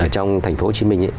trong thành phố hồ chí minh